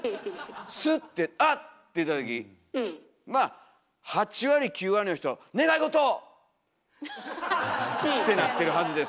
スッて「あ！」って言った時まあ８割９割の人は「願いごと！」。ってなってるはずです。